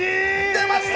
出ました！